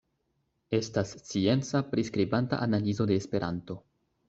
Estas scienca, priskribanta analizo de Esperanto.